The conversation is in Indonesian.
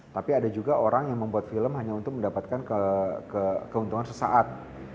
tapi ada juga orang yang membuat film hanya untuk mendapatkan keuntungan sesaat